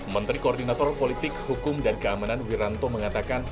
menteri koordinator politik hukum dan keamanan wiranto mengatakan